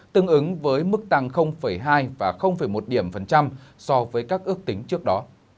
tương ứng với mức tăng hai và một điểm phần trăm so với các ước tính trước đó